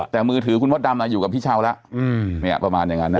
แต่มือถือคุณมดดำอยู่กับพี่เช้าแล้วประมาณอย่างนั้นนะ